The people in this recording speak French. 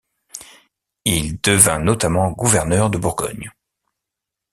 Il devint notamment gouverneur de Bourgogne.